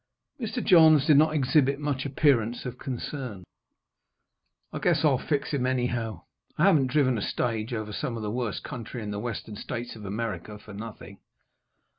Mr. Johns did not exhibit much appearance of concern. "I guess I'll fix him, anyhow. I haven't driven a stage over some of the worst country in the western states of America for nothing.